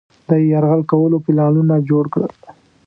د یرغل کولو پلانونه جوړ کړل.